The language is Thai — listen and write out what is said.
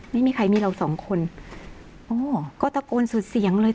ไม่มีใครมีเราสองคนโอ้ก็ตะโกนสุดเสียงเลย